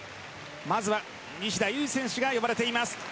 まずは西田有志選手が呼ばれています。